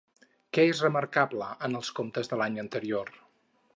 Què és remarcable en els comptes de l'any anterior?